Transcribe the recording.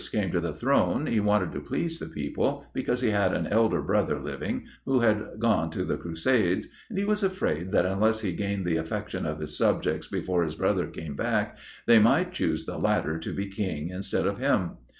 came to the throne, he wanted to please the people, because he had an elder brother living, who had gone to the Crusades, and he was afraid that unless he gained the affection of his subjects before his brother came back, they might choose the latter to be King instead of him.